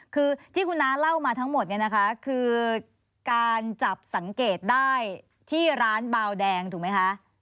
คือที่คุณน้าเล่ามาทั้งหมดเนี่ยนะคะคือการจับสังเกตได้ที่ร้านบาวแดงถูกไหมคะ